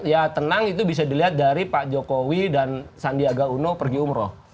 ya tenang itu bisa dilihat dari pak jokowi dan sandiaga uno pergi umroh